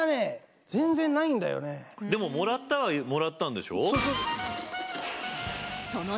でももらったはもらったんでしょ？